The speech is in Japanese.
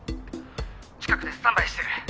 近くでスタンバイしてる。